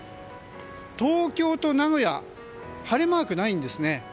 東京と名古屋は晴れマークがないんですね。